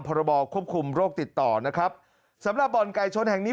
พรบควบคุมโรคติดต่อนะครับสำหรับบ่อนไก่ชนแห่งนี้